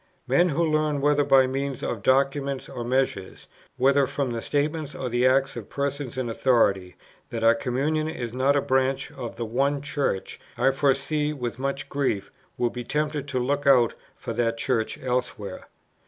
Men who learn whether by means of documents or measures, whether from the statements or the acts of persons in authority, that our communion is not a branch of the One Church, I foresee with much grief, will be tempted to look out for that Church elsewhere.